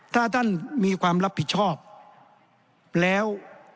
ถ้าท่านมีความรับผิดชอบแล้ว